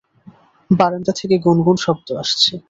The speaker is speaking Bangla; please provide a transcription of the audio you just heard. বারান্দা থেকে গুনগুন শব্দ আসছে।